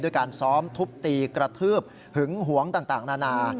การซ้อมทุบตีกระทืบหึงหวงต่างนานา